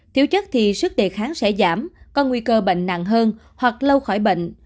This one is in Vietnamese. thiếu chất thì sức đề kháng sẽ giảm còn nguy cơ bệnh nặng hơn hoặc lâu khỏi bệnh